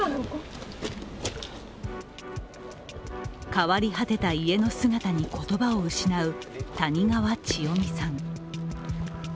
変わり果てた家の姿に言葉を失う谷川千代美さん。